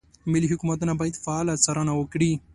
محلي حکومتونه باید فعاله څارنه وکړي.